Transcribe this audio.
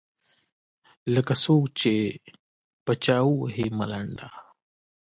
لکــــه څــوک چې په چـــا ووهي ملـــنډه.